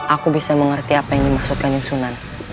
aku bisa mengerti apa yang dimaksudkan di sunan